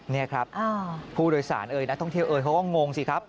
นี่ครับผู้โดยสารเอ่ยนักท่องเที่ยวเอ่ยเขาก็งงสิครับ